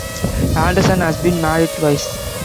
Anderson has been married twice.